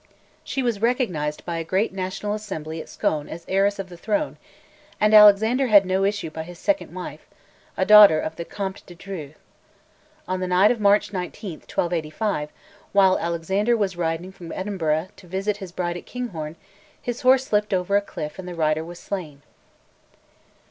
She was recognised by a great national assembly at Scone as heiress of the throne; and Alexander had no issue by his second wife, a daughter of the Comte de Dreux. On the night of March 19, 1285, while Alexander was riding from Edinburgh to visit his bride at Kinghorn, his horse slipped over a cliff and the rider was slain.